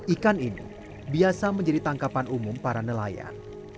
ikan ini biasa menjadi tangkapan umum para nelayan